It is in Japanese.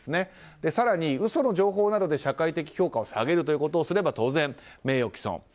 更に嘘の情報などで社会的評価を下げるということをすれば当然、名誉毀損。